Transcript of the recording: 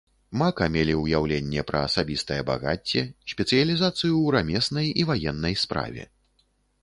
Мака мелі ўяўленне пра асабістае багацце, спецыялізацыю ў рамеснай і ваеннай справе.